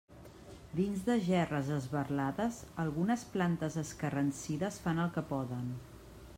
Dins de gerres esberlades algunes plantes escarransides fan el que poden.